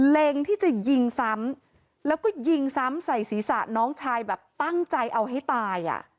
เล็งที่จะยิงซ้ำแล้วก็ยิงซ้ำใส่ศีรษะน้องชายแบบตั้งใจเอาให้ตายอ่ะ